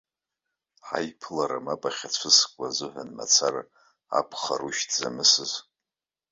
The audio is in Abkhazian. Ҳаиԥылара мап ахьацәыскуа азыҳәан мацара акәхарушь дзамысыз?